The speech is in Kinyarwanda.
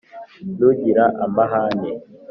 ntugira amahane,